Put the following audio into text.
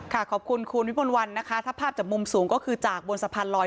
ขอบคุณคุณวิมวลวันนะคะถ้าภาพจากมุมสูงก็คือจากบนสะพานลอย